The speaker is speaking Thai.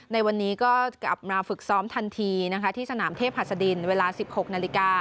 ในวันนี้ก็กลับมาฝึกซ้อมทันทีที่สนามเทพฮัศดินเวลา๑๖น